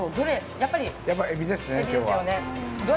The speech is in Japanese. やっぱりえびですね。